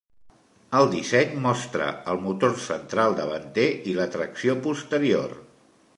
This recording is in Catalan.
El disseny mostra el motor central davanter i la tracció posterior.